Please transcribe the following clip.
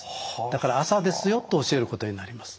だから朝ですよと教えることになります。